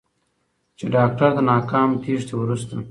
چې داکتر د ناکام تېښتې وروسته